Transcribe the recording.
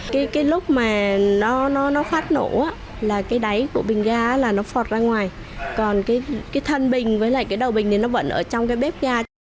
cái lúc mà nó phát nổ là cái đáy của bình ga là nó phọt ra ngoài còn cái thân bình với lại cái đầu bình thì nó vẫn ở trong cái bếp ga